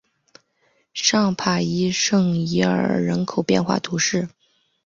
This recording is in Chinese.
尚帕涅圣伊莱尔人口变化图示